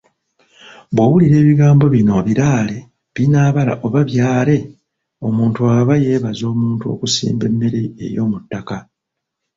Bw'owulira ebigambo bino Biraale, binaabala oba byale, omuntu aba yeebaza omuntu okusimba emmere ey'omuttaka.